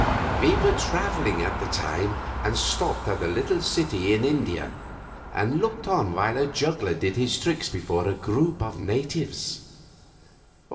We were traveling at the time and stopped at a little city in India and looked on while a juggler did his tricks before a group of natives.